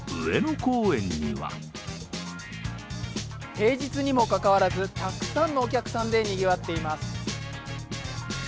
平日にもかかわらず、たくさんのお客さんでにぎわっています。